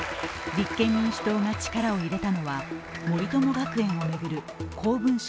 立憲民主党が力を入れたのは森友学園を巡る公文書